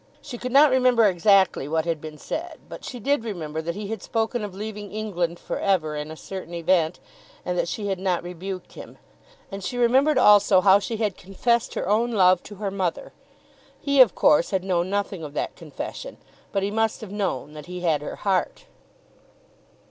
She could not remember exactly what had been said; but she did remember that he had spoken of leaving England for ever in a certain event, and that she had not rebuked him; and she remembered also how she had confessed her own love to her mother. He, of course, had known nothing of that confession; but he must have known that he had her heart!